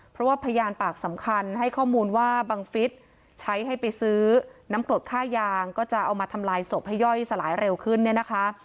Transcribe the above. เพราะว่าพยานปากสำคัญให้ข้อมูลว่าบังฟิศใช้ให้ไปซื้อน้ำกรดค่ายางก็จะเอามาทำลายศพให้ย่อยสลายเร็วขึ้นเนี่ยนะคะ